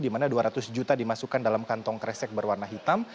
di mana dua ratus juta dimasukkan dalam kantong kresek berwarna hitam